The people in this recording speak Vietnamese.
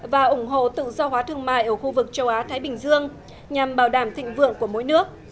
và ủng hộ tự do hóa thương mại ở khu vực châu á thái bình dương nhằm bảo đảm thịnh vượng của mỗi nước